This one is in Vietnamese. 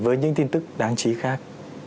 với những tin tức đáng chí khác